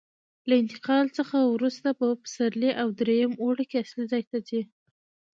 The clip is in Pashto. له انتقال څخه وروسته په پسرلي او درېیم اوړي کې اصلي ځای ته ځي.